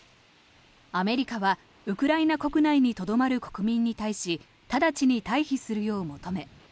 アメリカはウクライナ国内にとどまる国民に対し直ちに退避するよう求め